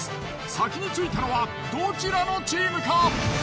先に着いたのはどちらのチームか？